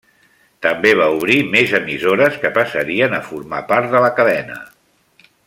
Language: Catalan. També va obrir més emissores que passarien a formar part de la cadena.